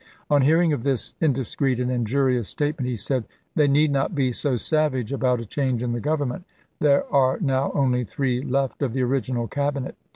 On hearing of this indiscreet and injurious statement, he said, "They need not be so savage about a Diary, change in the Government. There are now only three left of the original Cabinet."